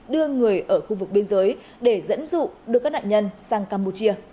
đưa người ở khu vực biên giới để dẫn dụ đưa các nạn nhân sang campuchia